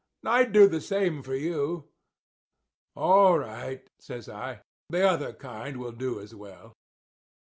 I'd do the same for you.' "'All right,' says I. 'The other kind will do as well.